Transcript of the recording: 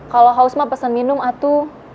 kalo haus mah pesen minum atu